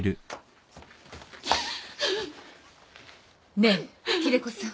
ねえ秀子さん。